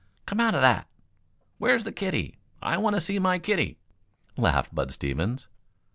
"Come out of that. Where's the kiddie? I want to see my kiddie!" laughed Bud Stevens.